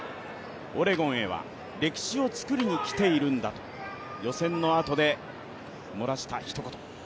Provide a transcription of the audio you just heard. オレゴンへは歴史を作りに来ているんだと予選のあとでもらしたひと言。